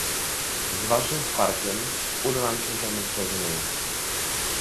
Z waszym wsparciem, uda nam się osiągnąć porozumienie